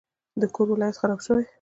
د کور لایټ خراب شوی و.